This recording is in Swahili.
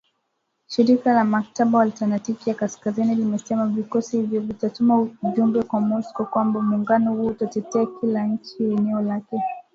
Shirika la Mkataba wa Atlantiki ya Kaskazini limesema vikosi hivyo vinatuma ujumbe kwa Moscow kwamba muungano huo utatetea kila nchi ya eneo lake.